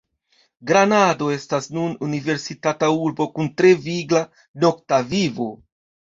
Granado estas nun universitata urbo, kun tre vigla nokta vivo.